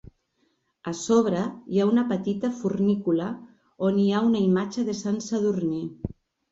A sobre hi ha una petita fornícula on hi ha una imatge de Sant Sadurní.